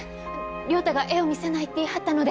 涼太が絵を見せないって言い張ったので。